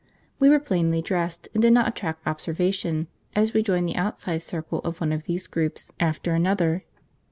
We were plainly dressed, and did not attract observation as we joined the outside circle of one of these groups after another.